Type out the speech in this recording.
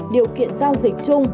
điều kiện giao dịch chung